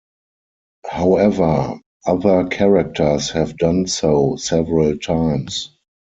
However, other characters have done so several times.